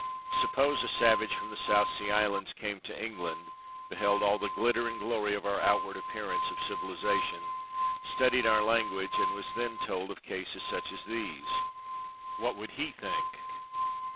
Suppose a savage from the South Sea Islands came to England—beheld all the glitter and glory of our outward appearance of civilisation—studied our language, and was then told of such cases as these? What would he think.